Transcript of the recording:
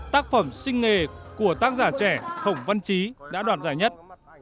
tác phẩm sinh nghề của tác giả trẻ hồng văn trí đã đoàn giải nhất